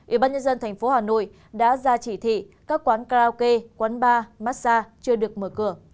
ủy ban nhân dân tp hà nội đã ra chỉ thị các quán karaoke quán bar massage chưa được mở cửa